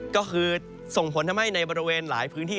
ก็คือส่งผลทำให้ในบริเวณหลายพื้นที่